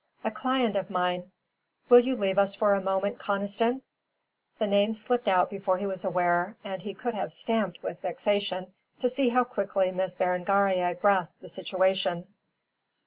"A client of mine. Will you leave us for a moment, Conniston?" The name slipped out before he was aware, and he could have stamped with vexation to see how quickly Miss Berengaria grasped the situation.